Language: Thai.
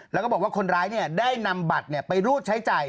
แล้วก็บอกว่าคนร้ายได้นำบัตรไปรูดใช้จ่าย